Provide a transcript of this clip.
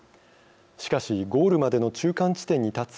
しかしゴールまでの中間地点に立つ